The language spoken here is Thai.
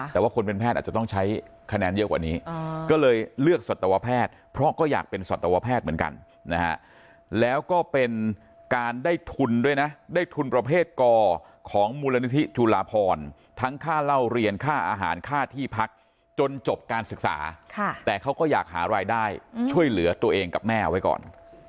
แต่ว่าคนเป็นแพทย์อาจจะต้องใช้คะแนนเยอะกว่านี้ก็เลยเลือกสัตวแพทย์เพราะก็อยากเป็นสัตวแพทย์เหมือนกันนะฮะแล้วก็เป็นการได้ทุนด้วยนะได้ทุนประเภทกอของมูลนิธิจุลาพรทั้งค่าเล่าเรียนค่าอาหารค่าที่พักจนจบการศึกษาแต่เขาก็อยากหารายได้ช่วยเหลือตัวเองกับแม่เอาไว้ก่อน